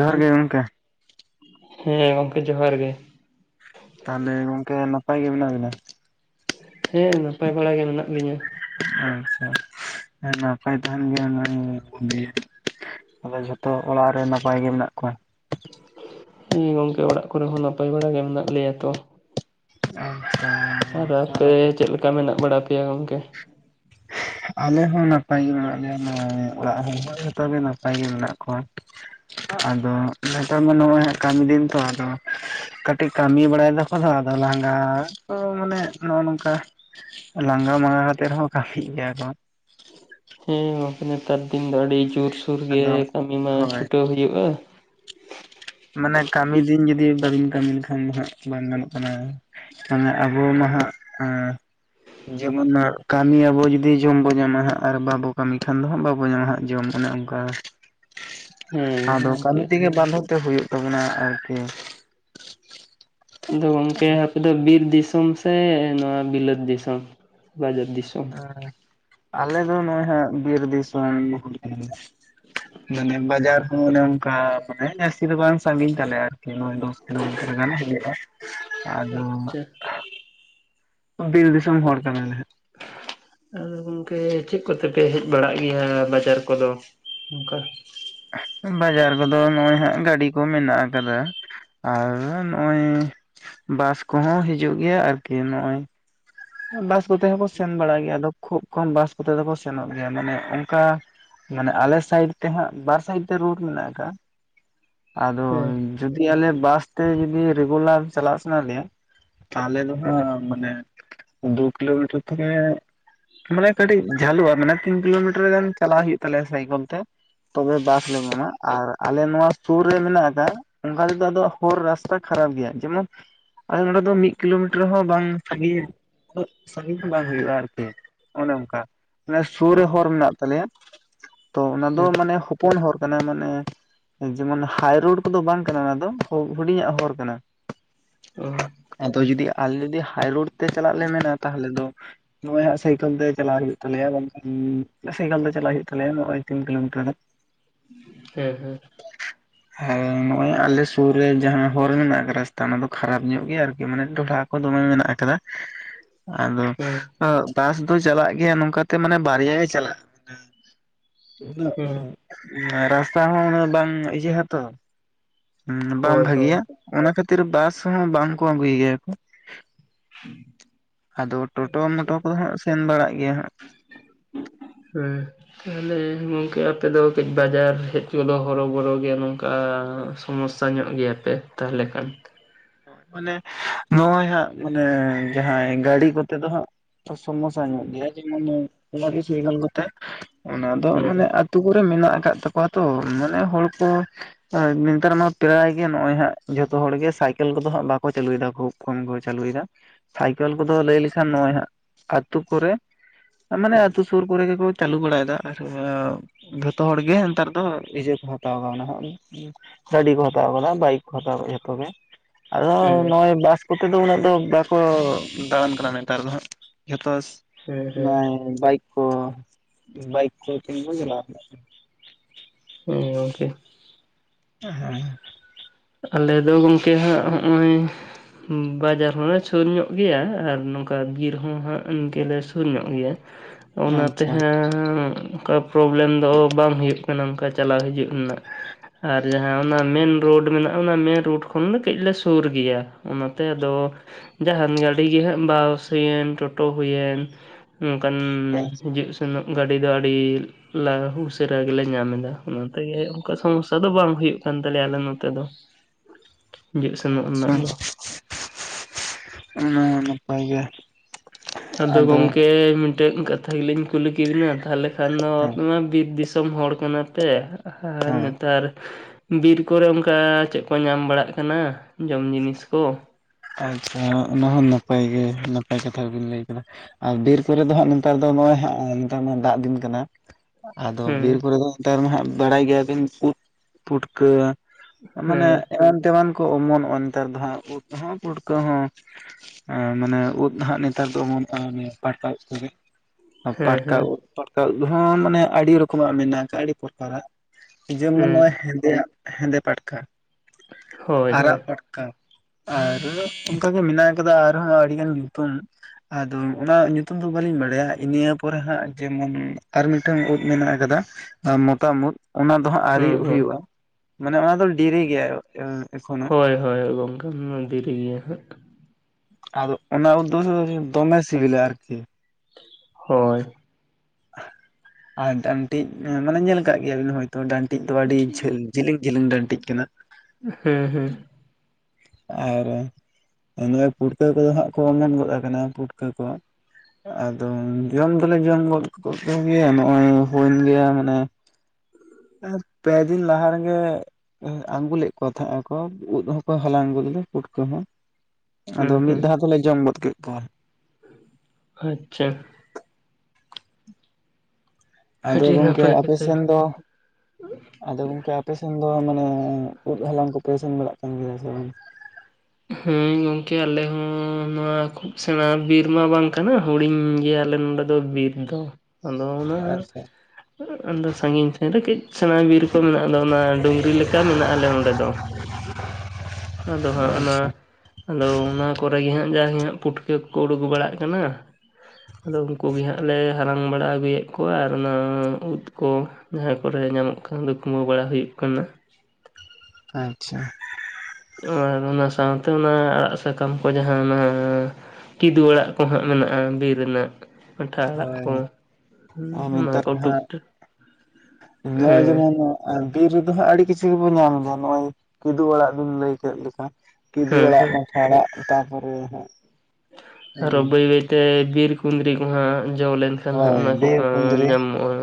ᱡᱚᱦᱟᱨ ᱜᱮ ᱜᱚᱢᱠᱮ᱾ ᱦᱮᱸ ᱜᱚᱢᱠᱮ ᱡᱚᱦᱟᱨ ᱜᱮ᱾ ᱛᱟᱦᱚᱞᱮ ᱜᱚᱝᱠᱮ ᱱᱟᱯᱟᱭ ᱜᱮ ᱢᱮᱱᱟᱜ ᱵᱤᱱᱟ? ᱦᱮᱸ ᱱᱟᱯᱟᱭ ᱵᱟᱲᱟ ᱜᱮ ᱢᱮᱱᱟᱜ ᱞᱤᱧᱟ᱾ ᱟᱪᱪᱷᱟ ᱱᱟᱯᱟᱭ ᱛᱟᱦᱮᱱ ᱜᱮ ᱚᱱᱟᱜᱮ ᱵᱮᱥ᱾ ᱟᱫᱚ ᱡᱷᱚᱛᱚ ᱚᱲᱟᱜ ᱨᱮ ᱱᱟᱯᱟᱭ ᱜᱮ ᱢᱮᱱᱟᱜ ᱠᱚᱣᱟ? ᱦᱮᱸ ᱜᱚᱢᱠᱮ ᱚᱲᱟᱜ ᱠᱚᱨᱮ ᱦᱚᱸ ᱱᱟᱯᱟᱭ ᱵᱟᱲᱟ ᱜᱮ ᱢᱮᱱᱟᱜ ᱞᱮᱭᱟ ᱛᱚ᱾ ᱟᱪᱪᱷᱟ ᱾ ᱟᱨ ᱟᱯᱮ ᱪᱮᱫ ᱞᱮᱠᱟ ᱢᱮᱱᱟᱜ ᱵᱟᱲᱟ ᱯᱮᱭᱟ ᱜᱚᱢᱠᱮ? ᱟᱞᱮ ᱦᱚᱸ ᱱᱟᱯᱟᱭ ᱜᱮ ᱢᱮᱱᱟᱜ ᱞᱮᱭᱟ ᱱᱚᱜ-ᱚᱭ ᱚᱲᱟᱜ ᱦᱚᱲ [inaudible] ᱡᱚᱛᱚ ᱜᱮᱱᱟᱯᱟᱭ ᱜᱮ ᱢᱮᱱᱟᱜ ᱠᱚᱣᱟ᱾ ᱟᱫᱚ ᱱᱮᱛᱟᱨ ᱢᱟ ᱱᱚᱜᱼᱚᱭ ᱦᱟᱸᱜ ᱠᱟᱹᱢᱤ ᱫᱤᱱ ᱛᱚ ᱟᱫᱚ ᱠᱟᱹᱴᱤᱡ ᱠᱟᱹᱢᱤ ᱵᱟᱲᱟᱭ ᱫᱟ ᱠᱚ ᱫᱚ ᱟᱫᱚ ᱞᱟᱸᱜᱟ ᱛᱚ ᱢᱟᱱᱮ ᱱᱚᱜᱼᱚ ᱱᱚᱝᱠᱟ, ᱞᱟᱸᱜᱟ ᱢᱟᱸᱜᱟ ᱠᱟᱛᱮ ᱨᱮᱦᱚᱸ ᱠᱟᱹᱢᱤᱜ ᱜᱮᱭᱟ ᱠᱚ᱾ ᱦᱮᱸ ᱜᱚᱝᱠᱮ ᱱᱮᱛᱟᱨ ᱫᱤᱱ ᱫᱚ ᱟᱹᱰᱤ ᱡᱳᱨ ᱥᱳᱨ ᱜᱮ ᱟᱫᱚ ᱠᱟᱹᱢᱤ ᱢᱟ ᱦᱳᱭ ᱪᱷᱩᱴᱟᱹᱣ ᱦᱩᱭᱩᱜᱼᱟ᱾ ᱢᱟᱱᱮ ᱠᱟᱢᱤ ᱫᱤᱱ ᱡᱩᱫᱤ ᱵᱟᱹᱵᱤᱱ ᱠᱟᱹᱢᱤ ᱞᱮᱠᱷᱟᱱ ᱦᱟᱸᱜ ᱵᱟᱝ ᱜᱟᱱᱚᱜ ᱠᱟᱱᱟ᱾ ᱢᱟᱱᱮ ᱟᱵᱚ ᱢᱟ ᱦᱟᱸᱜ ᱡᱮᱢᱚᱱ ᱠᱟᱹᱢᱤᱭᱟᱵᱚ ᱡᱩᱫᱤ ᱡᱚᱢ ᱵᱚᱱ ᱧᱟᱢᱟ ᱦᱟᱸᱜ ᱟᱨ ᱵᱟᱵᱚ ᱠᱟᱹᱢᱤ ᱠᱷᱟᱱ ᱫᱚ ᱦᱟᱸᱜ ᱵᱟᱵᱚ ᱧᱟᱢᱟ ᱦᱟᱸᱜ ᱡᱚᱢ ᱚᱱᱮ ᱚᱝ ᱠᱟ, ᱦᱮᱸ ᱟᱫᱚ ᱠᱟᱹᱢᱤ ᱜᱚᱝᱠᱮ ᱛᱮᱜᱮ ᱵᱟᱱᱫᱷᱚᱠ ᱛᱮ ᱦᱩᱭᱩᱜ ᱛᱟᱵᱚᱱᱟ ᱟᱨᱠᱤ᱾ ᱟᱫᱚ ᱜᱚᱝᱠᱮ ᱟᱯᱮ ᱫᱚ ᱵᱤᱨ ᱫᱤᱥᱚᱢ ᱥᱮ ᱱᱚᱣᱟ ᱵᱤᱞᱟᱹᱛ ᱫᱤᱥᱚᱢ, ᱵᱟᱡᱟᱨ ᱫᱤᱥᱚᱢ? ᱟᱞᱮ ᱫᱚ ᱱᱚᱜᱼᱚᱭ ᱦᱟᱸᱜ ᱵᱤᱨ ᱫᱤᱥᱚᱢ᱾ [inaudible] ᱢᱟᱱᱮ ᱵᱟᱡᱟᱨ ᱦᱚᱸ ᱚᱱᱮ ᱚᱱᱠᱟ ᱢᱟᱱᱮ ᱡᱟᱹᱥᱛᱤ ᱫᱚ ᱵᱟᱝ ᱥᱟᱺᱜᱤᱧ ᱛᱟᱞᱮᱭᱟ ᱟᱨᱠᱤ ᱱᱚᱭ ᱫᱚᱥ ᱠᱤᱞᱳ ᱢᱤᱴᱟᱨ ᱜᱟᱱ ᱦᱩᱭᱩᱜᱼᱟ ᱟᱫᱚ ᱟᱪᱪᱷᱟ ᱵᱤᱨ ᱫᱤᱥᱚᱢ ᱦᱚᱲ ᱠᱟᱱᱟᱞᱮ ᱦᱟᱸᱜ᱾ ᱟᱫᱚ ᱜᱚᱝᱠᱮ ᱪᱮᱫ ᱠᱚᱛᱮᱯᱮ ᱦᱮᱡ ᱵᱟᱲᱟᱜ ᱜᱮᱭᱟ ᱵᱟᱡᱟᱨ ᱠᱚᱫᱚ ᱚᱝᱠᱟ? ᱵᱟᱡᱟᱨ ᱠᱚᱫᱚ ᱱᱚᱜᱼᱚᱭ ᱦᱟᱸᱜ ᱜᱟᱹᱰᱤ ᱠᱚ ᱢᱮᱱᱟᱜ ᱟᱠᱟᱫᱟ᱾ ᱟᱨ ᱱᱚᱜ-ᱚᱭ ᱵᱟᱥ ᱠᱚᱦᱚᱸ ᱦᱤᱡᱩᱜ ᱜᱮᱭᱟ ᱟᱨᱠᱤ ᱱᱚᱜ-ᱚᱭ᱾ ᱵᱟᱥ ᱠᱚᱛᱮ ᱦᱚᱸ ᱠᱚ ᱥᱮᱱ ᱵᱟᱲᱟᱜ ᱜᱮᱭᱟ ᱟᱫᱚ ᱠᱷᱩᱵ ᱠᱚᱢ ᱵᱟᱥ ᱠᱚᱛᱮ ᱫᱚᱠᱚ ᱥᱮᱱᱚᱜ ᱜᱮᱭᱟ ᱢᱟᱱᱮ ᱚᱝᱠᱟ ᱢᱟᱱᱮ ᱟᱞᱮ ᱥᱟᱭᱤᱰ ᱛᱮᱦᱟᱸᱜ ᱵᱟᱨ ᱥᱟᱭᱤᱰ ᱛᱮ ᱨᱳᱰ ᱢᱮᱱᱟᱜ ᱟᱠᱟᱜ-ᱟ, ᱟᱫᱚ ᱦᱮᱸ ᱡᱩᱫᱤ ᱟᱞᱮ ᱵᱟᱥ ᱛᱮ ᱡᱩᱫᱤ ᱨᱮᱜᱩᱞᱟᱨ ᱪᱟᱞᱟᱜ ᱥᱟᱱᱟ ᱞᱮᱭᱟ, ᱛᱟᱦᱚᱞᱮ ᱫᱚ ᱦᱟᱸᱜ ᱢᱟᱱᱮ ᱫᱩ ᱠᱤᱞᱳᱢᱤᱴᱟᱨ ᱛᱷᱮᱠᱮ ᱢᱟᱱᱮ ᱠᱟᱹᱴᱤᱡ ᱡᱷᱟᱹᱞᱩᱜᱼᱟ ᱢᱟᱱᱮ ᱛᱤᱱ ᱠᱤᱞᱳᱢᱤᱴᱟᱨ ᱜᱟᱱ ᱪᱟᱞᱟᱜ ᱦᱩᱭᱩᱜ ᱛᱟᱞᱮᱭᱟ ᱥᱟᱭᱠᱚᱞ ᱛᱮ᱾ ᱛᱚᱵᱮ ᱵᱟᱥ ᱞᱮ ᱧᱟᱢᱟ ᱟᱨ ᱟᱞᱮ ᱱᱚᱣᱟ ᱥᱩᱨ ᱨᱮ ᱢᱮᱱᱟᱜ ᱟᱠᱟᱜ ᱚᱝᱠᱟ ᱛᱮᱫᱚ ᱟᱫᱚ ᱦᱚᱨ ᱨᱟᱥᱛᱟ ᱠᱷᱟᱨᱟᱯ ᱜᱮᱭᱟ ᱡᱮᱢᱚᱱ ᱟᱞᱮ ᱱᱚᱸᱰᱮ ᱫᱚ ᱢᱤᱫ ᱠᱤᱞᱳᱢᱤᱴᱟᱨ ᱦᱚᱸ ᱵᱟᱝ ᱥᱟᱺᱜᱤᱧ, ᱩᱱᱟᱹᱜ ᱥᱟᱜᱤᱧ ᱦᱚᱸ ᱵᱟᱝ ᱦᱩᱭᱩᱜᱼᱟ ᱟᱨᱠᱤ᱾ ᱚᱱᱮ ᱚᱝᱠᱟ, ᱢᱟᱱᱮ ᱥᱩᱨ ᱨᱮ ᱦᱚᱨ ᱢᱮᱱᱟᱜ ᱛᱟᱞᱮᱭᱟ ᱛᱚ ᱚᱱᱟ ᱫᱚ ᱦᱮᱸ ᱢᱟᱱᱮ ᱦᱚ ᱯᱚᱱ ᱦᱚᱨ ᱠᱟᱱᱟ ᱢᱟᱱᱮ ᱡᱮᱢᱚᱱ ᱦᱟᱭᱨᱳᱰ ᱠᱚᱫᱚ ᱵᱟᱝ ᱠᱟᱱᱟ ᱚᱱᱟ ᱫᱚ, ᱦᱩ ᱦᱩᱰᱤᱧᱟᱜ ᱦᱚᱨ ᱠᱟᱱᱟ᱾ ᱦᱮᱸ ᱚ ᱟᱫᱚ ᱡᱩᱫᱤ ᱟᱞᱮ ᱡᱩᱫᱤ ᱦᱟᱭ ᱨᱳᱰ ᱛᱮ ᱪᱟᱞᱟᱜ ᱞᱮ ᱢᱮᱱᱟ ᱛᱟᱦᱚᱞᱮ ᱫᱚ, ᱱᱚᱜᱼᱚᱭ ᱦᱟᱸᱜ ᱥᱟᱭᱠᱮᱞ ᱛᱮ ᱪᱟᱞᱟᱜ ᱦᱩᱭᱩᱜ ᱛᱟᱞᱮᱭᱟ ᱵᱟᱝᱠᱷᱟᱱ ᱥᱟᱭᱠᱮᱞ ᱛᱮ ᱪᱟᱞᱟᱜ ᱦᱩᱭᱩᱜ ᱛᱟᱞᱮᱭᱟ ᱱᱚᱜ-ᱚᱭ ᱛᱤᱱ ᱠᱤᱞᱳᱢᱤᱴᱟᱨ ᱜᱟᱱ᱾ [inaudible] ᱦᱮᱸ ᱦᱮᱸ᱾ [inaudible] ᱦᱮᱸ ᱱᱚᱜ-ᱚᱭ ᱟᱞᱮ ᱥᱩᱨ ᱨᱮ ᱡᱟᱦᱟᱸ ᱦᱚᱨ ᱢᱮᱱᱟᱜ ᱟᱠᱟᱜ ᱨᱟᱥᱛᱟ ᱚᱱᱟ ᱫᱚ ᱠᱷᱟᱨᱟᱯ ᱧᱚᱜ ᱜᱮᱭᱟ ᱟᱨᱠᱤ ᱢᱟᱱᱮ ᱰᱚᱵᱷᱟᱜ ᱠᱚ ᱫᱚᱢᱮ ᱢᱮᱱᱟᱜ ᱟᱠᱟᱫᱟ᱾ ᱟᱫᱚ, ᱦᱮᱸ ᱵᱟᱥ ᱫᱚ ᱪᱟᱞᱟᱜ ᱜᱮᱭᱟ ᱱᱚᱝᱠᱟᱛᱮ ᱢᱟᱱᱮ ᱵᱟᱨᱭᱟ ᱜᱮ ᱪᱟᱞᱟᱜᱼᱟ᱾ [inaudible] ᱦᱮᱸ [inaudible] ᱨᱟᱥᱛᱟ ᱦᱚᱸ ᱩᱱᱟᱹᱜ ᱵᱟᱝ ᱤᱭᱟᱹ ᱦᱟᱛᱚ, ᱦᱩᱸ ᱵᱟᱝ ᱦᱳᱭ ᱦᱳᱭ ᱵᱷᱟᱹᱜᱤᱭᱟ, ᱚᱱᱟ ᱠᱷᱟᱹᱛᱤᱨ ᱵᱟᱥ ᱦᱚᱸ ᱵᱟᱝ ᱠᱚ ᱟᱹᱜᱩᱭ ᱜᱮᱭᱟ ᱠᱚ᱾ ᱟᱫᱚ ᱴᱳᱴᱳ ᱢᱚᱴᱳ ᱠᱚᱫᱚ ᱦᱟᱸᱜ ᱥᱮᱱ ᱵᱟᱲᱟᱜ ᱜᱮᱭᱟ ᱦᱟᱸᱜ᱾ ᱦᱮᱸ᱾ ᱛᱟᱦᱚᱞᱮ ᱜᱚᱝᱠᱮ ᱟᱯᱮ ᱫᱚ ᱠᱟᱹᱡ ᱵᱟᱡᱟᱨ ᱦᱮᱡ ᱠᱚᱫᱚ ᱦᱚᱨᱚ ᱵᱚᱨᱚ ᱜᱮ ᱱᱚᱝᱠᱟ ᱥᱚᱢᱚᱥᱟ ᱧᱚᱜ ᱜᱮᱭᱟ‌ᱯᱮ᱾ ᱛᱟᱦᱚᱞᱮ ᱠᱷᱟᱱ ᱢᱟᱱᱮ ᱱᱚᱜᱼᱚᱭ ᱦᱟᱸᱜ ᱢᱟᱱᱮ ᱡᱟᱦᱟᱸᱭ ᱜᱟᱹᱰᱤ ᱠᱚᱛᱮ ᱫᱚ ᱦᱟᱸᱜ ᱥᱚᱢᱚᱥᱟ ᱧᱚᱜ ᱜᱮᱭᱟ ᱡᱮᱢᱚᱱ ᱚᱱᱟ ᱠᱤᱪᱷᱩ ᱠᱟᱛᱮ ᱚᱱᱟ ᱫᱚ ᱦᱮᱸ ᱢᱟᱱᱮ ᱟᱛᱳ ᱠᱚᱨᱮ ᱢᱮᱱᱟᱜ ᱟᱠᱟᱫ ᱛᱟᱠᱚᱣᱟ ᱛᱚ ᱢᱟᱱᱮ ᱦᱚᱲ ᱠᱚ ᱱᱮᱛᱟᱨ ᱢᱟ ᱯᱨᱟᱭ ᱜᱮ ᱱᱚᱜᱼᱚᱭ ᱦᱟᱸᱜ ᱡᱷᱚᱛᱚ ᱦᱚᱲᱜᱮ ᱥᱟᱭᱠᱮᱞ ᱠᱷᱮᱞ ᱠᱚᱫᱚ ᱦᱟᱸᱜ ᱵᱟᱠᱚ ᱪᱟᱹᱞᱩᱭᱮᱫᱟ ᱠᱷᱩᱵ ᱠᱚᱢ ᱜᱮ ᱪᱟᱹᱞᱩᱭᱮᱫᱟ ᱥᱟᱭᱠᱮᱞ ᱠᱚᱫᱚ ᱞᱟᱹᱭ ᱞᱮᱠᱷᱟᱱ ᱱᱚᱜᱼᱚᱭ ᱟᱛᱳ ᱠᱚᱨᱮ ᱢᱟᱱᱮ ᱟᱛᱳ ᱥᱩᱨ ᱠᱚᱨᱮ ᱜᱮᱠᱚ ᱪᱟᱹᱞᱩ ᱵᱟᱲᱟᱭᱮᱫᱟ ᱟᱨ ᱡᱷᱚᱛᱚ ᱦᱚᱲᱜᱮ ᱱᱮᱛᱟᱨ ᱫᱚ ᱤᱭᱟᱹ ᱠᱚ ᱦᱟᱛᱟᱣ ᱠᱟᱣᱱᱟ ᱜᱟᱹᱰᱤ ᱠᱚ ᱦᱟᱛᱟᱣ ᱠᱟᱫᱟ ᱵᱟᱭᱤᱠ ᱠᱚ ᱦᱟᱛᱟᱣ ᱠᱟᱫᱟ ᱡᱷᱚᱛᱚ ᱜᱮ ᱟᱫᱚ ᱦᱮᱸ ᱱᱚᱜᱼᱚᱭ ᱵᱟᱥ ᱠᱚᱛᱮ ᱫᱚ ᱩᱱᱟᱹᱜ ᱫᱚ ᱵᱟᱠᱚ ᱫᱟᱬᱟᱱ ᱠᱟᱱᱟ ᱱᱮᱛᱟᱨ ᱫᱚ ᱦᱟᱸᱜ ᱡᱷᱚᱛᱚ ᱦᱮᱸ ᱦᱮᱸ ᱱᱚᱭᱟ ᱵᱟᱭᱤᱠ ᱠᱚ ᱵᱟᱭᱤᱠ ᱠᱚ ᱵᱚᱱ ᱪᱟᱞᱟᱣ ᱦᱮᱸ ᱜᱚᱝᱠᱮ ᱦᱮᱸ ᱟᱞᱮ ᱫᱚ ᱜᱚᱝᱠᱮ ᱦᱟᱸᱜ ᱱᱚᱜᱼᱚᱭ ᱵᱟᱡᱟᱨ ᱦᱚᱸᱞᱮ ᱥᱩᱨ ᱧᱚᱜ ᱜᱮᱭᱟ ᱟᱨ ᱱᱚᱝᱠᱟ ᱵᱤᱨ ᱦᱚᱸ ᱦᱟᱸᱜ ᱤᱱᱠᱟ ᱥᱩᱨ ᱧᱚᱜ ᱜᱮᱭᱟ [unintelligible] ᱚᱱᱟ ᱛᱮ ᱦᱚᱸ ᱚᱱᱠᱟ ᱯᱨᱚᱵᱞᱮᱢ ᱫᱚ ᱵᱟᱝ ᱦᱩᱭᱩᱜ ᱠᱟᱱᱟ ᱚᱱᱠᱟ ᱪᱟᱞᱟᱣ ᱦᱤᱡᱩᱜ ᱨᱮᱱᱟᱜ ᱟᱨ ᱡᱟᱦᱟᱸ ᱚᱱᱟ ᱢᱮᱱ ᱨᱳᱰ ᱢᱮᱱᱟᱜᱼᱟ᱾ ᱚᱱᱟ ᱢᱮᱱ ᱨᱳᱰ ᱠᱷᱚᱱ ᱫᱚ ᱠᱟᱹᱡ ᱞᱮ ᱥᱩᱨ ᱜᱮᱭᱟ ᱚᱱᱟᱛᱮ ᱟᱫᱚ ᱡᱟᱦᱟᱱ ᱜᱟᱹᱰᱤ ᱜᱮ ᱦᱟᱸᱜ ᱵᱟᱥ ᱦᱩᱭᱮᱱ ᱴᱳᱴᱳ ᱦᱩᱭᱮᱱ ᱚᱱᱠᱟᱱ ᱦᱤᱡᱩᱜ ᱥᱮᱱᱚᱜ ᱜᱟᱹᱰᱤ ᱫᱚ ᱟᱹᱰᱤ ᱩᱥᱟᱹᱨᱟ ᱜᱮᱞᱮ ᱧᱟᱢ ᱮᱫᱟ ᱚᱱᱟᱛᱮᱜᱮ ᱚᱱᱠᱟ ᱥᱚᱢᱚᱥᱟ ᱫᱚ ᱵᱟᱝ ᱦᱩᱭᱩᱜ ᱠᱟᱱ ᱛᱟᱞᱮᱭᱟ ᱟᱞᱮ ᱱᱚᱛᱮ ᱫᱚ ᱦᱮᱸ [inaudible] ᱟᱪᱪᱷᱟ ᱚᱱᱟ ᱦᱚᱸ ᱱᱟᱯᱟᱭ ᱜᱮᱭᱟ ᱟᱫᱚ ᱜᱚᱝᱠᱮ ᱢᱤᱫᱴᱟᱝ ᱠᱟᱛᱷᱟ ᱜᱮᱞᱤᱧ ᱠᱩᱞᱤ ᱠᱮᱵᱤᱱᱟ ᱛᱟᱦᱚᱞᱮ ᱠᱷᱟᱱ ᱫᱚ ᱦᱮᱸ ᱟᱯᱮ ᱢᱟ ᱵᱤᱨ ᱫᱤᱥᱚᱢ ᱫᱤᱥᱚᱢ ᱦᱚᱲ ᱠᱟᱱᱟᱯᱮ ᱟᱨ ᱦᱮᱸ ᱱᱮᱛᱟᱨ ᱵᱤᱨ ᱠᱚᱨᱮ ᱚᱱᱠᱟ ᱪᱮᱫ ᱠᱚ ᱧᱟᱢ ᱵᱟᱲᱟᱜ ᱠᱟᱱᱟ ᱡᱚᱢ ᱡᱤᱱᱤᱥ ᱠᱚ ᱟᱪᱪᱷᱟ ᱚᱱᱟ ᱦᱚᱸ ᱱᱟᱯᱟᱭ ᱜᱮ ᱱᱟᱯᱟᱭ ᱠᱟᱛᱷᱟᱵᱤᱱ ᱞᱟᱹᱭ ᱠᱮᱫᱟ ᱟᱨ ᱵᱤᱨ ᱠᱚᱨᱮ ᱫᱚ ᱦᱟᱸᱜ ᱱᱮᱛᱟᱨ ᱫᱚ ᱱᱚᱜᱼᱚᱭ ᱱᱮᱛᱟᱨ ᱢᱟ ᱫᱟᱜ ᱫᱤᱱ ᱠᱟᱱᱟ᱾ ᱟᱫᱚ ᱦᱮᱸ ᱵᱤᱨ ᱠᱚᱨᱮ ᱫᱚ ᱱᱮᱛᱟᱨ ᱢᱟ ᱦᱟᱜ ᱵᱟᱲᱟᱭ ᱜᱮᱭᱟᱵᱤᱱ ᱩᱫᱽ ᱯᱩᱴᱠᱟᱹ ᱢᱟᱱᱮ ᱦᱮᱸ ᱮᱢᱟᱱ ᱛᱮᱢᱟᱱ ᱠᱚ ᱚᱢᱚᱱᱚᱜᱼᱟ ᱱᱮᱛᱟᱨ ᱫᱚ ᱦᱟᱸᱜ ᱩᱫᱽ ᱦᱚᱸ ᱯᱩᱴᱠᱟᱹ ᱦᱚᱸ ᱮ ᱢᱟᱱᱮ ᱩᱫᱽ ᱦᱟᱸᱜ ᱱᱮᱛᱟᱨ ᱫᱚ ᱚᱢᱚᱱᱚᱜᱼᱟ ᱯᱟᱴᱠᱟ ᱩᱫᱽ ᱠᱚᱨᱮ ᱦᱮᱸ ᱯᱟᱴᱠᱟ ᱦᱮᱸ ᱩᱫᱽ ᱯᱟᱴᱠᱟ ᱩᱫᱽ ᱦᱚᱸ ᱢᱟᱱᱮ ᱟᱹᱰᱤ ᱨᱚᱠᱚᱢᱟᱜ ᱢᱮᱱᱟᱜ ᱟᱠᱟᱫᱟ ᱟᱹᱰᱤ ᱯᱨᱚᱠᱟᱨᱟᱜ ᱡᱮᱢᱚᱱ ᱦᱮᱸ ᱱᱚᱜᱚᱭ ᱦᱮᱸᱫᱮ ᱭᱟᱜ ᱦᱮᱸᱫᱮ ᱯᱟᱴᱠᱟ ᱦᱳᱭ ᱦᱳᱭ ᱟᱨᱟᱜ ᱯᱟᱴᱠᱟ ᱟᱨ ᱚᱱᱠᱟᱜᱮ ᱢᱮᱱᱟᱜ ᱟᱠᱟᱫᱟ ᱟᱨᱦᱚᱸ ᱟᱹᱰᱤᱜᱟᱱ ᱧᱩᱛᱩᱢ ᱟᱫᱚ ᱚᱱᱟ ᱧᱩᱛᱩᱢ ᱫᱚ ᱵᱟᱹᱞᱤᱧ ᱵᱟᱲᱟᱭᱟ ᱤᱱᱟᱹ ᱯᱚᱨᱮ ᱦᱟᱸᱜ ᱡᱮᱢᱚᱱ ᱟᱨ ᱢᱤᱫᱴᱟᱝ ᱩᱫᱽ ᱢᱮᱱᱟᱜ ᱟᱠᱟᱫᱟ᱾ ᱟᱨ ᱢᱚᱛᱟᱢ ᱩᱫᱽ ᱚᱱᱟ ᱫᱚ ᱦᱟᱸᱜ ᱟᱹᱭᱨᱤ ᱦᱮᱸ ᱦᱮᱸ ᱦᱩᱭᱩᱜᱼᱟ ᱢᱟᱱᱮ ᱚᱱᱟ ᱫᱚ ᱰᱮᱨᱤ ᱜᱮᱭᱟ ᱮᱠᱷᱚᱱᱳ ᱦᱳᱭ ᱦᱳᱭ ᱜᱚᱝᱠᱮ ᱰᱮᱨᱤ ᱜᱮᱭᱟ ᱦᱟᱸᱜ ᱟᱫᱚ ᱚᱱᱟ ᱩᱫᱽ ᱫᱚᱥᱮ ᱫᱚ ᱫᱚᱢᱮ ᱥᱤᱵᱤᱞᱟ ᱟᱨᱠᱤ ᱦᱳᱭ ᱟᱨ ᱰᱟᱹᱱᱴᱤᱜ ᱢᱟᱱᱮ ᱧᱮᱞ ᱠᱟᱜ ᱜᱮᱭᱟᱵᱤᱱ ᱦᱳᱭᱛᱳ ᱰᱟᱹᱱᱴᱤᱡ ᱫᱚ ᱟᱹᱰᱤ ᱡᱷᱟᱹᱞ ᱜᱮ ᱡᱤᱞᱮᱝ ᱡᱮᱞᱤᱝ ᱰᱟᱱᱴᱤᱡ ᱠᱟᱱᱟ᱾ ᱦᱮᱸ ᱦᱮᱸ ᱟᱨ ᱸᱤᱭᱟᱹ ᱯᱩᱴᱠᱟᱹ ᱠᱚᱫᱚ ᱦᱟᱸᱜ ᱠᱚ ᱚᱢᱚᱱ ᱜᱚᱫ ᱟᱠᱟᱱᱟ ᱯᱩᱴᱠᱟᱹ ᱠᱚ ᱟᱫᱚ ᱡᱚᱢ ᱫᱚᱞᱮ ᱡᱚᱢ ᱜᱚᱫ ᱠᱚ ᱜᱮᱭᱟ ᱱᱚᱜᱼᱚᱭ ᱦᱩᱭᱮᱱ ᱜᱤᱭᱟ ᱦᱟᱱᱮ ᱟᱨ ᱯᱨᱟᱭ ᱫᱤᱱ ᱞᱟᱦᱟ ᱨᱮᱜᱮ ᱮᱸᱦ ᱟᱝᱜᱩᱞᱮᱫ ᱠᱚᱣᱟ ᱛᱟᱦᱮᱸ-ᱟ ᱠᱚ, ᱩᱫ ᱦᱚᱸᱠᱚ ᱦᱟᱞᱟᱝ ᱟᱝᱜᱩ ᱞᱮᱫᱟ ᱯᱩᱴᱠᱟᱹ ᱦᱚᱸ᱾ ᱦᱮᱸ ᱟᱫᱚ ᱢᱤᱫ ᱦᱮᱸ ᱫᱷᱟᱣ ᱛᱮᱞᱮ ᱡᱚᱢ ᱜᱚᱫ ᱠᱮᱫ ᱠᱚᱣᱟ ᱾ ᱟᱪᱪᱷᱟ᱾ ᱟᱫᱚ ᱟᱹᱰᱤ ᱜᱚᱝᱠᱮ ᱱᱟᱯᱟᱭ ᱟᱯᱮ ᱠᱟᱛᱷᱟ ᱥᱮᱱ ᱫᱚ ᱟᱫᱚ ᱜᱚᱝᱠᱮ ᱟᱯᱮ ᱥᱮᱱ ᱫᱚ ᱢᱟᱱᱮ ᱩᱫᱽ ᱦᱟᱞᱟᱝ ᱠᱚᱯᱮ ᱥᱮᱱ ᱵᱟᱲᱟᱜ ᱠᱟᱱ ᱜᱮᱭᱟ ᱥᱮ ᱵᱟᱝ? ᱦᱮᱸ ᱜᱚᱝᱠᱮ ᱟᱞᱮ ᱦᱚᱸ ᱱᱚᱣᱟ ᱠᱷᱩᱵ ᱥᱮᱬᱟᱸ ᱵᱤᱨᱢᱟ ᱵᱟᱝ ᱠᱟᱱᱟ ᱦᱩᱰᱤᱧ ᱜᱮᱭᱟᱞᱮ ᱱᱚᱰᱮ ᱫᱚ ᱵᱤᱨ ᱫᱚ ᱟᱫᱚ ᱚᱱᱟ ᱟᱪᱪᱷᱟ ᱟᱫᱚ ᱥᱟᱺᱜᱤᱧ ᱥᱮᱫᱨᱮ ᱠᱟᱹᱡ ᱥᱮᱬᱟ ᱵᱤᱨ ᱠᱚ ᱢᱮᱱᱟᱜ-ᱟ᱾ ᱟᱫᱚ ᱚᱱᱟ ᱰᱩᱝᱨᱤ ᱞᱮᱠᱟ ᱢᱮᱱᱟᱜᱼᱟ ᱟᱞᱮ ᱱᱚᱸᱰᱮ ᱫᱚ᱾ ᱟᱫᱚ ᱦᱟᱸᱜ ᱚᱱᱟ ᱟᱪᱪᱷᱟ ᱟᱫᱚ ᱚᱱᱟ ᱠᱚᱨᱮ ᱜᱮ ᱦᱟᱸᱜ ᱡᱮ ᱜᱮ ᱦᱟᱸᱜ ᱯᱩᱴᱠᱟᱹ ᱠᱚᱠᱚ ᱩᱰᱩᱠ ᱵᱟᱲᱟᱜ ᱠᱟᱱᱟ᱾ ᱟᱫᱚ ᱩᱱᱠᱩ ᱜᱮ ᱦᱟᱸᱜ ᱞᱮ ᱦᱟᱞᱟᱝ ᱵᱟᱲᱟ ᱟᱹᱜᱩᱭᱮᱫ ᱠᱚᱣᱟ ᱟᱨ ᱚᱱᱟ ᱩᱫ ᱠᱚ᱾ ᱡᱟᱦᱟᱸᱭ ᱠᱚᱨᱮ ᱧᱟᱢᱚᱜ ᱠᱷᱟᱱ ᱫᱚ ᱩᱛᱢᱟᱹ ᱵᱟᱲᱟ ᱦᱩᱭᱩᱜ ᱠᱟᱱᱟ᱾ ᱟᱪᱪᱷᱟ᱾ ᱟᱨ ᱚᱱᱟ ᱥᱟᱶᱛᱮ ᱚᱱᱟ ᱟᱲᱟᱜ ᱥᱟᱠᱟᱢ ᱠᱚ ᱡᱟᱦᱟᱸ ᱚᱱᱟ ᱠᱤᱫᱩᱵ ᱟᱲᱟᱜ ᱠᱚ ᱦᱟᱸᱜ ᱢᱮᱱᱟᱜᱼᱟ ᱵᱤᱨ ᱨᱮᱱᱟᱜ᱾ ᱢᱟᱴᱷᱟ ᱟᱲᱟᱜ ᱠᱚ ᱦᱳᱭ ᱟᱨ ᱮᱢᱟ ᱠᱚ ᱴᱩᱠ-ᱴᱟᱠ᱾ ᱱᱚ-ᱚᱭ ᱡᱮᱢᱚᱱ ᱟᱨ ᱵᱤᱨ ᱨᱮᱫᱚ ᱦᱟᱸᱜ ᱟᱹᱰᱤ ᱠᱤᱪᱷᱩ ᱜᱮᱵᱚᱱ ᱧᱟᱢ ᱮᱫᱟ ᱱᱚᱜ-ᱚᱭ ᱠᱤᱫᱩᱵ ᱚᱲᱟᱜ ᱵᱤᱱ ᱞᱟᱹᱭ ᱠᱮᱫ ᱞᱮᱠᱟ᱾ ᱠᱤᱫᱩᱵ ᱦᱮᱸ ᱟᱲᱟᱜ, ᱦᱮᱸ ᱢᱟᱴᱷᱟ ᱟᱲᱟᱜ ᱛᱟᱨᱯᱚᱨᱮ ᱦᱟᱸᱜ ᱟᱨᱚ ᱵᱟᱹᱭ ᱵᱟᱹᱭᱛᱮ ᱵᱤᱨ ᱠᱩᱸᱫᱽᱨᱤ ᱠᱚ ᱦᱟᱸᱜ ᱡᱚ ᱞᱮᱱ ᱮᱱᱠᱷᱟᱱ ᱦᱟᱸᱜ ᱦᱳᱭ ᱚᱱᱟ ᱵᱤᱨ ᱠᱚᱦᱟᱸ ᱠᱩᱸᱫᱽᱨᱤ ᱧᱟᱢᱚᱜᱼᱟ,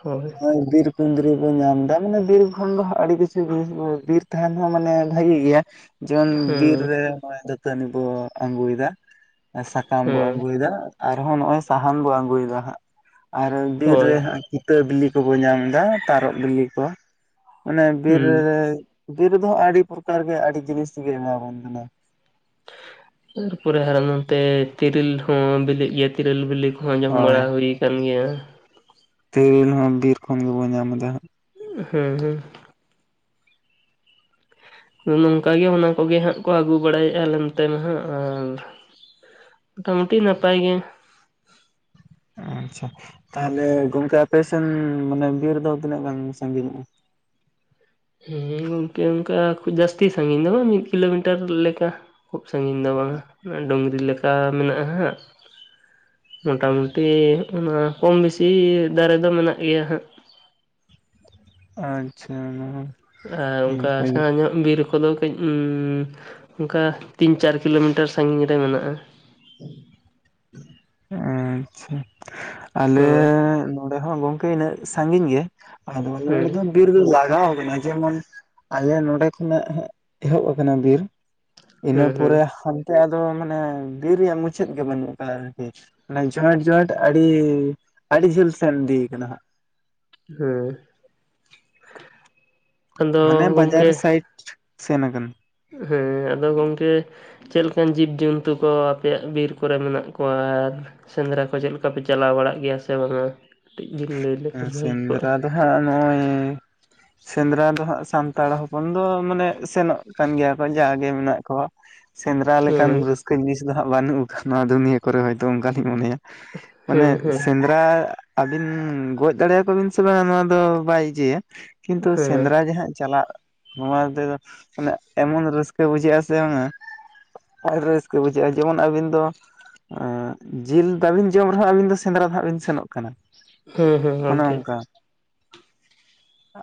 ᱦᱳᱭ᱾ ᱵᱤᱨ ᱠᱩᱸᱫᱽᱨᱤ ᱵᱚᱱ ᱧᱟᱢ ᱮᱫᱟ ᱢᱟᱱᱮ ᱵᱤᱨ ᱠᱷᱚᱱ ᱫᱚ ᱦᱟᱸᱜ ᱟᱹᱰᱤ ᱠᱤᱪᱷᱩ ᱡᱤᱱᱤᱥ ᱠᱚ ᱵᱤᱨ ᱛᱟᱦᱮᱱ ᱦᱚᱸ ᱢᱟᱱᱮ ᱵᱷᱟᱜᱮ ᱜᱮᱭᱟ ᱡᱮᱢᱚᱱ ᱵᱤᱨ ᱦᱮᱸ ᱨᱮ ᱱᱚᱜ-ᱚᱭ ᱫᱟᱹᱛᱟᱹᱱᱤ ᱵᱚ ᱟᱸᱜᱩᱭᱮᱫᱟ᱾ ᱮ ᱥᱟᱠᱟᱢ ᱵᱚ ᱦᱮᱸ ᱟᱸᱜᱩᱭᱮᱫᱟ, ᱟᱨᱦᱚᱸ ᱱᱚᱜᱼᱚᱭ ᱥᱟᱦᱟᱱ ᱵᱚ ᱟᱸᱜᱩᱭᱮᱫᱟ ᱦᱟᱸᱜ᱾ ᱟᱨ ᱵᱤᱨ ᱦᱳᱭ ᱨᱮ ᱦᱟᱸᱜ ᱠᱤᱛᱟᱹ ᱵᱤᱞᱤ ᱠᱚᱵᱚᱱ ᱧᱟᱢ ᱮᱫᱟ, ᱛᱟᱨᱚᱵ ᱵᱤᱞᱤ ᱠᱚ᱾ ᱢᱟᱱᱮ ᱵᱤ ᱦᱩᱸ ᱨᱮ, ᱵᱤᱨ ᱨᱮ ᱫᱚ ᱦᱟ ᱟᱹᱰᱤ ᱯᱨᱚᱠᱟᱨ ᱜᱮ, ᱟᱹᱰᱤ ᱡᱤᱱᱤᱥ ᱜᱮ ᱮᱢᱟᱵᱚᱱ ᱠᱟᱱᱟ᱾ ᱛᱟᱨᱯᱚᱨᱮ ᱦᱟᱨᱚ ᱱᱚᱱᱛᱮ ᱛᱤᱨᱤᱞ ᱦᱚᱸ ᱵᱤᱞᱤᱜ ᱜᱮᱭᱟ᱾ ᱛᱮᱨᱤᱞ ᱵᱤᱞᱤ ᱠᱚᱦᱚᱸ ᱡᱚᱢ ᱦᱳᱭ ᱵᱟᱲᱟ ᱦᱩᱭ ᱠᱟᱱ ᱜᱮᱭᱟ᱾ ᱛᱤᱨᱤᱞ ᱦᱚᱸ ᱵᱤᱨ ᱠᱷᱚᱱ ᱜᱮᱵᱚᱱ ᱧᱟᱢ ᱮᱫᱟ ᱦᱟᱸᱜ᱾ ᱦᱩᱸ ᱦᱩᱸ᱾ ᱟᱫᱚ ᱱᱚᱝᱠᱟ ᱜᱮ ᱚᱱᱟ ᱠᱚᱜᱮ ᱦᱟᱸᱜ ᱠᱚ ᱟᱹᱜᱩ ᱵᱟᱲᱟᱭᱮᱫᱼᱟ ᱟᱞᱮ ᱱᱚᱛᱮ ᱱᱟᱦᱟᱸᱜ ᱟᱨ ᱢᱚᱴᱟᱢᱩᱴᱤ ᱱᱟᱯᱟᱭ ᱜᱮ᱾ ᱟᱪᱪᱷᱟ ᱛᱟᱦᱚᱞᱮ ᱜᱚᱝᱠᱮ ᱟᱯᱮᱥᱮᱱ ᱢᱟᱱᱮ ᱵᱤᱨ ᱨᱮᱫᱚ ᱛᱤᱱᱟᱹᱜ ᱜᱟᱱ ᱥᱟᱺᱜᱤᱧᱚᱜᱼᱟ? ᱦᱮᱸ ᱜᱚᱢᱠᱮ ᱚᱱᱠᱟᱩ ᱡᱟᱹᱥᱛᱤ ᱥᱟᱺᱜᱤᱧ ᱫᱚ ᱵᱟᱝ, ᱢᱤᱫ ᱠᱤᱞᱳᱢᱤᱴᱟᱨ ᱞᱮᱠᱟ᱾ ᱠᱷᱩᱵ ᱥᱟᱺᱜᱤᱧ ᱫᱚ ᱵᱟᱝᱟ ᱰᱩᱝᱨᱤ ᱞᱮᱠᱟ ᱢᱮᱱᱟᱜᱼᱟ ᱦᱟᱸᱜ᱾ ᱢᱚᱴᱟᱢᱩᱴᱤ ᱚᱱᱟ ᱠᱚᱢ ᱵᱮᱥᱤ ᱫᱟᱨᱮ ᱫᱚ ᱢᱮᱱᱟᱜ ᱜᱮᱭᱟ ᱦᱟᱸᱜ᱾ ᱟᱪᱪᱷᱟ ᱚᱱᱟ ᱦᱚᱸ ᱟᱨ ᱚᱱᱠᱟ ᱥᱮᱬᱟᱸ ᱧᱚᱜ ᱵᱤᱨ ᱠᱚᱫᱚ ᱠᱟᱹᱡ ᱚᱱᱠᱟ ᱛᱤᱱ ᱪᱟᱨ ᱠᱤᱞᱳᱢᱤᱴᱟᱨ ᱥᱟᱺᱜᱤᱧ ᱨᱮ ᱢᱮᱱᱟᱜ-ᱟ᱾ ᱟᱪᱪᱷᱟ ᱟᱞᱮ ᱦᱮᱸ ᱱᱚᱰᱮ ᱦᱚᱸ ᱜᱚᱝᱠᱮ ᱤᱱᱟᱹᱜ ᱥᱟᱺᱜᱤᱧ ᱜᱮ᱾ ᱟᱫᱚ ᱦᱮᱸ [unintelligible] ᱵᱤᱨ ᱫᱚ ᱞᱟᱜᱟᱣ ᱟᱠᱟᱱᱟ ᱡᱮᱢᱚᱱ ᱟᱞᱮ ᱱᱚᱰᱮ ᱠᱷᱚᱱᱟᱜ ᱮᱦᱚᱵ ᱟᱠᱟᱱᱟ ᱵᱤᱨ᱾ ᱤᱱᱟᱹ ᱦᱩᱸ ᱦᱩᱸ ᱯᱚᱨᱮ ᱦᱟᱱᱛᱮ ᱟᱫᱚ ᱢᱟᱱᱮ ᱵᱤᱨ ᱨᱮᱭᱟᱜ ᱢᱩᱪᱟᱹᱫ ᱜᱮ ᱵᱟᱹᱱᱩᱜ ᱟᱠᱟᱫᱟ᱾ [inaudible] ᱡᱚᱸᱦᱟᱴ ᱡᱚᱸᱦᱟᱴ ᱟᱹᱰᱤ ᱟᱹᱰᱤ ᱡᱷᱟᱹᱞ ᱥᱮᱱ ᱤᱫᱤᱭ ᱠᱟᱱᱟ ᱦᱟᱸᱜ ᱾ ᱦᱩᱸ ᱦᱩᱸ ᱟᱫᱚ ᱢᱟᱱᱮ ᱜᱚᱝᱠᱮ ᱵᱟᱡᱟᱨ ᱥᱟᱭᱤᱴ ᱥᱮᱱ ᱟᱠᱟᱱ ᱾ ᱦᱮᱸ ᱟᱫᱚ ᱜᱚᱝᱠᱮ ᱪᱮᱜ ᱞᱮᱠᱟᱱ ᱡᱤᱵᱽᱡᱚᱱᱛᱩ ᱠᱚ ᱟᱯᱮᱭᱟᱜ ᱵᱤᱨ ᱠᱚᱨᱮ ᱢᱮᱱᱟᱜ ᱠᱚᱣᱟ ᱟᱨ, ᱥᱮᱸᱫᱽᱨᱟ ᱠᱚ ᱪᱮᱜ ᱞᱮᱠᱟ ᱯᱮ ᱪᱟᱞᱟᱣ ᱵᱟᱲᱟᱜ ᱜᱮᱭᱟ ᱥᱮ ᱵᱟᱝᱼᱟ? ᱥᱮᱸᱫᱽᱨᱟ ᱫᱚᱦᱟᱸᱜ ᱱᱚᱜᱼᱚᱭ ᱥᱮᱸᱫᱽᱨᱟ ᱫᱚ ᱦᱟᱸᱜ ᱥᱟᱱᱛᱟᱲ ᱦᱚᱯᱚᱱ ᱫᱚ ᱢᱟᱱᱮ ᱥᱮᱱᱚᱜ ᱠᱟᱱ ᱜᱮᱭᱟ ᱠᱚ ᱡᱟᱜᱮ ᱢᱮᱱᱟᱜ ᱠᱚᱣᱟ᱾ ᱥᱮᱸᱫᱽᱨᱟ ᱞᱮᱠᱟᱱ ᱦᱮᱸ ᱨᱟᱹᱥᱠᱟᱹ ᱡᱤᱱᱤᱥ ᱫᱚ ᱦᱟᱸᱜ ᱵᱟᱹᱱᱩᱜ ᱵᱟᱱᱩᱠ ᱱᱚᱣᱟ ᱫᱩᱱᱤᱭᱟᱹ ᱠᱚᱨᱮ ᱦᱚᱭᱛᱚ ᱚᱱᱠᱟᱞᱤᱧ ᱢᱚᱱᱮᱭᱟ ᱾ [inaudible] ᱢᱟᱱᱮ ᱦᱮᱸ ᱦᱮᱸ ᱥᱮᱸᱫᱽᱨᱟ, ᱵᱤᱱ ᱜᱚᱡ ᱫᱟᱲᱮᱭᱟᱠᱚ ᱵᱤᱱ ᱥᱮ ᱵᱟᱝ ᱱᱚᱣᱟ ᱫᱚ ᱵᱟᱭ ᱤᱡᱟᱹᱭᱟ ᱠᱤᱱᱛᱩ ᱦᱮᱸ ᱥᱮᱸᱫᱽᱨᱟ ᱡᱟᱦᱟᱸᱜ ᱪᱟᱞᱟᱜ ᱾ ᱱᱚᱣᱟ ᱛᱮᱫᱚ ᱢᱟᱱᱮ ᱮᱢᱚᱱ ᱨᱟᱹᱥᱠᱟᱹ ᱵᱩᱡᱷᱟᱹᱜ ᱟ ᱥᱮ ᱵᱟᱝᱼᱟ᱾ ᱟᱨ ᱨᱟᱹᱥᱠᱟᱹ ᱵᱩᱡᱷᱟᱹᱜᱼᱟ ᱡᱮᱢᱚᱱ ᱟᱹᱵᱤᱱ ᱫᱚ? ᱟᱸᱜ ᱡᱤᱞ ᱵᱟᱵᱤᱱ ᱡᱚᱢ ᱨᱮᱦᱚᱸ ᱟᱹᱵᱤᱱ ᱫᱚ ᱥᱮᱸᱫᱽᱨᱟ ᱫᱚᱦᱟᱸᱜ ᱵᱤᱱ ᱥᱮᱱᱚᱜ ᱠᱟᱱᱟ᱾ ᱦᱮᱸ ᱦᱮᱸ ᱚᱱᱮ ᱜᱚᱝᱠᱮ ᱚᱱᱠᱟ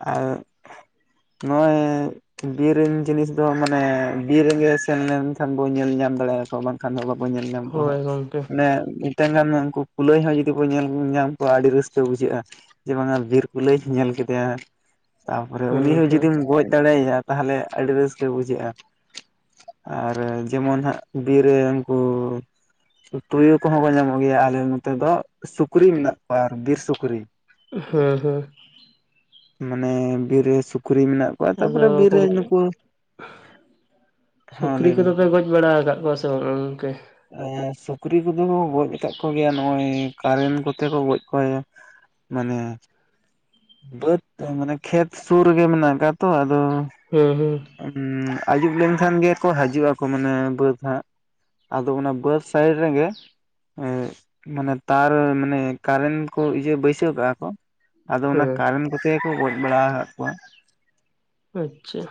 [unintelligible] ᱱᱚᱼᱚᱭ ᱵᱤᱨ ᱨᱮᱱ ᱡᱤᱱᱤᱥ ᱫᱚ ᱢᱟᱱᱮ ᱵᱤᱨ ᱨᱮᱜᱮ ᱥᱮᱱ ᱞᱮᱱᱠᱷᱟᱱ ᱵᱚᱱ ᱧᱮᱞ ᱧᱟᱢ ᱫᱟᱲᱮᱭᱟᱜᱼᱟᱠᱚ ᱵᱟᱝ? ᱠᱷᱟᱱ ᱫᱚ ᱵᱟᱵᱚᱱ ᱧᱮᱞ ᱧᱟᱢ ᱠᱚᱣᱟ ᱦᱳᱭ ᱦᱟᱸᱜ ᱜᱚᱝᱠᱮ ᱢᱟᱱᱮ ᱢᱤᱼᱴᱟᱝ ᱜᱟᱱ ᱩᱱᱠᱩ ᱠᱩᱞᱟᱹᱭ ᱦᱚᱸ ᱡᱩᱫᱤ ᱵᱚᱱ ᱧᱮᱞ ᱧᱟᱢ ᱾ ᱠᱚᱣᱟ ᱟᱹᱰᱤ ᱨᱟᱹᱥᱠᱟᱹ ᱵᱩᱡᱷᱟᱹᱜᱼᱟ, ᱡᱮ ᱵᱟᱝᱼᱟ ᱵᱤᱨ ᱠᱩᱞᱟᱹᱭ ᱧᱮᱞ ᱠᱮᱫᱮᱭᱟ ᱾ ᱛᱟᱯᱚᱨᱮ ᱦᱮᱸ ᱩᱱᱤ ᱦᱚᱸ ᱦᱮᱸ ᱡᱩᱫᱤᱢ ᱜᱚᱡ ᱫᱟᱲᱮᱭᱟ ᱛᱟᱦᱟᱞᱮ ᱟᱹᱰᱤ ᱨᱟᱹᱥᱠᱟᱹ ᱵᱩᱡᱷᱟᱹᱜᱼᱟ᱾ ᱟᱨ ᱡᱮᱢᱚᱱ ᱦᱟᱸᱜ ᱵᱤ ᱨᱮᱢ ᱠᱩ ᱛᱳᱭᱳ ᱠᱚᱦᱚᱸ ᱠᱚ ᱧᱟᱢᱚᱜ ᱜᱮᱭᱟ ᱟᱞᱮ ᱱᱚᱛᱮ ᱫᱚ ᱥᱩᱠᱨᱤ ᱢᱮᱱᱟᱜ ᱠᱚᱣᱟ ᱟᱨ ᱵᱤᱨ ᱥᱩᱠᱨᱤ ᱾ ᱦᱮᱸ ᱦᱮᱸ ᱾ ᱢᱟᱱᱮ ᱵᱤᱨ ᱨᱮ ᱥᱩᱠᱨᱤ ᱢᱮᱱᱟᱜ? ᱠᱚᱣᱟ ᱟᱫᱚ ᱛᱟᱯᱚᱨᱮ ᱵᱤᱨ ᱨᱮ ᱜᱚᱢᱠᱮᱜ [inaudible] ᱱᱩᱠᱩ ᱦᱚᱸ ᱥᱩᱠᱞᱤ ᱞᱟᱹᱭ ᱵᱤᱱ ᱠᱚᱫᱚ ᱯᱮ ᱜᱚᱡ ᱵᱟᱲᱟ ᱠᱟᱜ ᱠᱚᱣᱟ ᱥᱮ ᱵᱟᱝᱼᱟ ᱚᱝᱠᱮ? ᱮᱸ ᱥᱩᱠᱨᱤ ᱠᱚᱫᱚ ᱠᱚ ᱜᱚᱡ ᱠᱟᱜ ᱠᱚᱜᱮᱭᱟ ᱱᱚᱜᱼᱚᱭ ᱠᱟᱨᱮᱱ ᱠᱚᱛᱮ ᱠᱚ ᱜᱚᱡ ᱠᱚᱭᱟ᱾ ᱢᱟᱱᱮ ᱵᱟᱹᱫᱽ ᱾ ᱛᱟᱹᱭ ᱢᱟᱱᱮ ᱠᱷᱮᱛ ᱥᱩᱨ ᱨᱮᱜᱮ ᱢᱮᱱᱟᱜ ᱠᱟᱜ ᱛᱚ ᱟᱫᱚ ᱦᱩᱸ ᱦᱩᱸ ᱾ ᱩᱸ ᱟᱹᱭᱩᱵ ᱞᱮᱱᱠᱷᱟᱱ ᱜᱮᱠᱚ ᱦᱟᱡᱩᱜᱼᱟᱠᱚ, ᱢᱟᱱᱮ ᱵᱟᱹᱫᱽ ᱦᱟᱸᱜ ᱾ ᱟᱫᱚ ᱚᱱᱟ ᱵᱟᱹᱫᱽ ᱥᱟᱭᱤᱰ ᱨᱮᱜᱮ ᱮᱸ ᱢᱟᱱᱮ ᱛᱟᱨ ᱢᱟᱱᱮ ᱠᱟᱨᱮᱱ ᱠᱚ ᱤᱭᱟᱹ ᱵᱟᱹᱭᱥᱟᱹᱣ ᱠᱟᱜᱼᱟ ᱠᱚ᱾ ᱟᱫᱚ ᱚᱱᱟ ᱦᱮᱸ ᱠᱟᱨᱮᱱ ᱠᱚᱛᱮ ᱜᱮᱠᱚ ᱜᱚᱡ ᱵᱟᱲᱟ ᱠᱟᱜ ᱠᱚᱣᱟ᱾ ᱟᱪᱪᱷᱟ,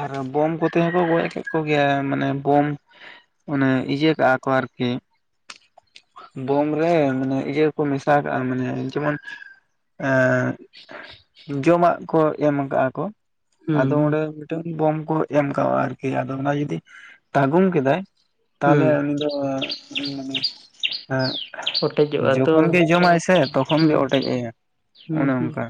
ᱟᱨ ᱵᱚᱢ ᱠᱚᱛᱮ ᱦᱚᱸᱠᱚ ᱜᱚᱡ ᱠᱮᱜ ᱠᱚᱜᱮᱭᱟ ᱢᱟᱱᱮ ᱵᱚᱢ ᱾ ᱚᱱᱮ ᱤᱭᱟᱹ ᱠᱟᱜᱼᱟ ᱠᱚ ᱟᱨᱠᱤ ᱾ ᱵᱳᱢ ᱨᱮ ᱢᱟᱱᱮ ᱤᱭᱟᱹᱠᱚ ᱢᱮᱥᱟ ᱠᱟᱜᱼᱟ ᱢᱟᱱᱮ ᱡᱮᱢᱚᱱ ᱮᱸᱜ ᱡᱚᱢᱟᱜ ᱠᱚ ᱮᱢ ᱠᱟᱜᱼᱟ ᱠᱚ ᱦᱩᱸ ᱟᱫᱚ ᱦᱩᱸ ᱚᱸᱰᱮ ᱴᱟᱝ ᱵᱚᱢ ᱠᱚ ᱮᱢ ᱠᱟᱜᱼᱟ ᱟᱨᱠᱤ ᱟᱫᱚ ᱚᱱᱟ ᱡᱩᱫᱤ ᱛᱟᱹᱜᱩᱢ ᱠᱮᱫᱟᱭ ᱾ ᱦᱩᱸ ᱛᱟᱦᱞᱮ ᱩᱱᱤ ᱫᱚ ᱮᱸ ᱢᱟᱱᱮ ᱮᱸ [inaudible] ᱚᱴᱮᱡᱚᱜᱼᱟ ᱛᱚ ᱡᱚᱠᱷᱚᱱ ᱜᱮ ᱡᱚᱢᱟᱭ ᱥᱮ ᱛᱚᱠᱷᱚᱱ ᱜᱮ ᱦᱩᱸ ᱚᱴᱮᱡᱟᱭᱟ ᱦᱩᱸ ᱚᱱᱮ ᱦᱩᱸ ᱚᱱᱠᱟ᱾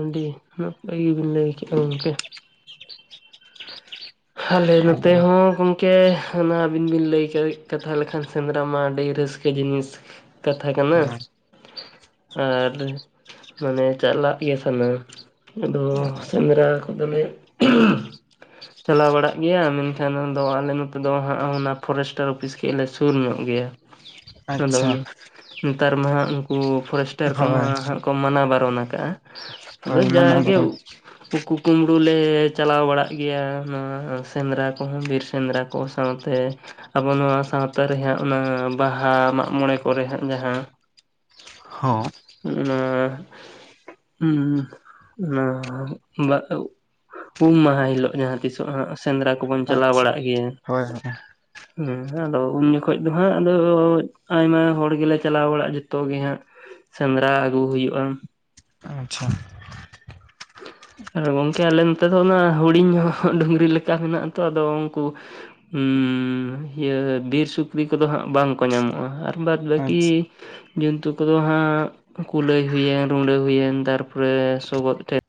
ᱟᱹᱰᱤ ᱱᱟᱯᱟᱭ ᱜᱮᱵᱤᱱ ᱞᱮᱭ ᱠᱮᱜᱼᱟ ᱜᱚᱝᱠᱮ ᱾ ᱦᱟᱞᱮ ᱱᱚᱛᱮ ᱟᱫᱚ ᱦᱚᱸ ᱜᱚᱝ ᱠᱮ ᱚᱱᱟ ᱟᱹᱵᱤᱱ ᱵᱤᱱ ᱞᱟᱹᱭ ᱠᱟᱹᱭ ᱠᱟᱛᱷᱟ ᱞᱮᱠᱷᱟᱱ ᱥᱮᱸᱫᱽᱨᱟ ᱢᱟ ᱟᱹᱰᱤ ᱨᱟᱹᱥᱠᱟᱹ ᱡᱤᱱᱤᱥ ᱾ ᱠᱟᱛᱷᱟ ᱠᱟᱱᱟ ᱦᱮᱸ ᱾ ᱟᱨ ᱢᱟᱱᱮ ᱪᱟᱜᱞᱟᱜ ᱜᱮ ᱥᱟᱱᱟ ᱟᱫᱚ ᱥᱮᱸᱫᱽᱨᱟ ᱠᱚᱫᱚ ᱞᱮ ᱪᱟᱞᱟᱣ ᱵᱟᱲᱟᱜ ᱜᱮᱭᱟ ᱢᱮᱱᱠᱷᱟᱱ ᱟᱫᱚ ᱟᱞᱮ ᱱᱚᱛᱮ ᱫᱚ ᱦᱟᱸᱜ ᱚᱱᱟ ᱯᱷᱚᱨᱮᱥᱴᱟᱨ ᱚᱯᱷᱤᱥ ᱠᱷᱮᱡ ᱞᱮ ᱥᱩᱨ ᱧᱚᱜ ᱜᱮᱭᱟ᱾ ᱟᱫᱚ ᱟᱪᱪᱷᱟ ᱚᱱᱟ ᱱᱮᱛᱟᱨ ᱢᱟ ᱦᱟᱸᱜ ᱩᱱᱠᱩ ᱯᱷᱚᱨᱮᱥᱴᱟᱨ ᱠᱚᱢᱟ ᱦᱳᱭ ᱦᱟᱸᱜ ᱠᱚ ᱢᱟᱱᱟ ᱵᱟᱨᱚᱱ ᱟᱠᱟᱜᱼᱟ, ᱟᱫᱚ ᱦᱳᱭ ᱢᱟᱱᱟ ᱡᱟᱜᱮ ᱵᱟᱨᱚᱱ ᱩᱠᱩ ᱠᱩᱢᱵᱽᱲᱩ ᱞᱮ ᱪᱟᱞᱟᱣ ᱵᱟᱲᱟᱜ ᱜᱮᱭᱟ᱾ ᱱᱚᱣᱟ ᱥᱮᱸᱫᱽᱨᱟ ᱠᱚᱦᱚᱸ ᱵᱤᱨ ᱥᱮᱸᱫᱽᱨᱟ ᱠᱚ ᱥᱟᱶᱛᱮ ᱟᱵᱚ ᱱᱚᱣᱟ ᱥᱟᱶᱛᱟ ᱨᱮ ᱦᱟᱸᱜ ᱚᱱᱟ ᱵᱟᱦᱟ ᱢᱟᱜ ᱢᱚᱬᱮ ᱠᱚᱨᱮ ᱦᱟᱸᱜ ᱡᱟᱦᱟᱸ ᱦᱚᱸ᱾ ᱱᱚᱜᱼᱱᱚᱣᱟ ᱩᱸ ᱚᱱᱟ [unintelligible] ᱩᱢ ᱢᱟᱦᱟ ᱦᱤᱞᱚᱜ ᱡᱟᱦᱟᱸ ᱛᱤᱥᱚᱜ ᱦᱟᱸᱜ ᱥᱮᱸᱫᱽᱨᱟ ᱠᱚᱵᱚᱱ ᱪᱟᱞᱟᱣ ᱟᱪᱪᱷᱟ ᱵᱟᱲᱟᱜ ᱜᱮᱭᱟ᱾ ᱦᱳᱭ ᱦᱳᱭ ᱦᱮᱸ ᱟᱫᱚ ᱩᱱ ᱡᱚᱠᱷᱚᱡ ᱫᱚ ᱦᱟᱸᱜ ᱟᱫᱚ ᱟᱭᱢᱟ ᱦᱚᱲ ᱜᱮᱞᱮ ᱪᱟᱞᱟᱣ ᱵᱟᱲᱟᱜᱼᱟ ᱡᱚᱛᱚ ᱜᱮ ᱦᱟᱸᱜ᱾ ᱥᱮᱸᱫᱽᱨᱟ ᱟᱹᱜᱩ ᱦᱩᱭᱩᱜᱼᱟ᱾ ᱟᱪᱪᱷᱟ᱾ ᱟᱨ ᱜᱚᱝᱠᱮ ᱟᱞᱮ ᱱᱚᱛᱮ ᱫᱚ ᱚᱱᱟ ᱦᱩᱰᱤᱧ ᱦᱚᱸ ᱰᱩᱝᱨᱤ ᱞᱮᱠᱟ ᱢᱮᱱᱟᱜ ᱟᱛᱚ ᱟᱫᱚ ᱩᱱᱠᱩ ᱤᱭᱟᱹ ᱵᱤᱨ ᱥᱩᱠᱨᱤ ᱠᱚᱫᱚ ᱦᱟᱸᱜ ᱵᱟᱝᱠᱚ ᱧᱟᱢᱚᱜᱼᱟ, ᱟᱨ ᱵᱟᱫ ᱟᱪᱪᱷᱟ ᱵᱟᱹᱠᱤ ᱡᱚᱱᱛᱩ ᱠᱚᱫᱚ ᱦᱟᱸᱜ ᱠᱩᱞᱟᱹᱭ ᱦᱩᱭᱮᱱ, ᱨᱩᱸᱰᱟᱹ ᱦᱩᱭᱮᱱ, ᱛᱟᱨᱯᱚᱨᱮ ᱥᱚᱜᱚᱫ ᱴᱮᱱ,